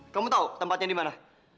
kamu tau tempatnya dimana